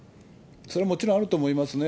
それはもちろんあると思いますね。